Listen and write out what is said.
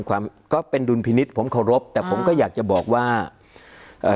ความก็เป็นดุลพินิษฐ์ผมเคารพแต่ผมก็อยากจะบอกว่าเอ่อ